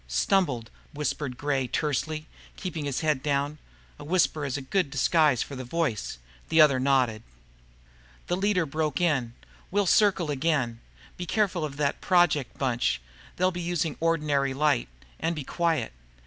"Stumbled," whispered Gray tersely, keeping his head down. A whisper is a good disguise for the voice. The other nodded. "Don't straggle. No fun, getting lost in here." The leader broke in. "We'll circle again. Be careful of that Project bunch they'll be using ordinary light. And be quiet!"